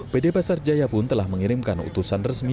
pd pasar jaya pun telah mengirimkan utusan resmi